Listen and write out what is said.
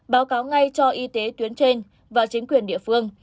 báo cáo ngay cho y tế tuyến trên và chính quyền địa phương